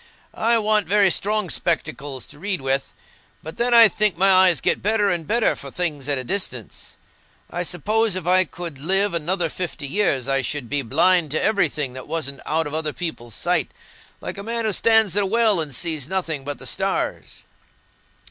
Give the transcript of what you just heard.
I want very strong spectacles to read with, but then I think my eyes get better and better for things at a distance. I suppose if I could live another fifty years, I should be blind to everything that wasn't out of other people's sight, like a man who stands in a well and sees nothing but the stars."